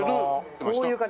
こういう感じ。